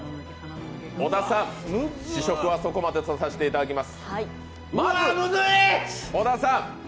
小田さん、試食はそこまでとさせていただきます。